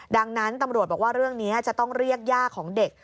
ดังนั้นตำรวจบอกว่าเรื่องนี้จะต้องเรียกย่าของเด็ก